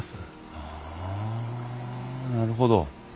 はあなるほど。